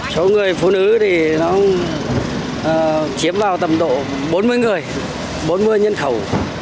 số người phụ nữ thì nó chiếm vào tầm độ bốn mươi người bốn mươi nhân khẩu